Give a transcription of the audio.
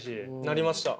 なりました。